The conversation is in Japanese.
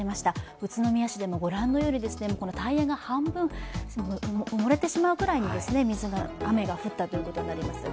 宇都宮市でもご覧のようにタイヤが半分埋もれてしまうような雨が降ったということです。